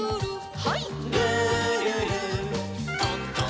はい。